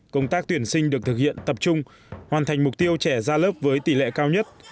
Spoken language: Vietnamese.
công tác tuyển sinh được thực hiện tập trung hoàn thành mục tiêu trẻ ra lớp với tỷ lệ cao nhất